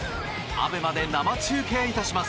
ＡＢＥＭＡで生中継いたします。